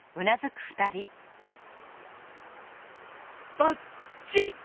ばっちり！